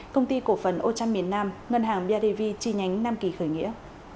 công ty cổ phần ô trang miền nam ngân hàng bidv chi nhánh nam kỳ khởi nghĩa